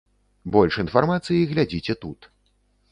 Больш інфармацыі глядзіце тут.